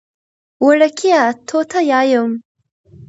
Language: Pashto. وړکیه! توته یایم.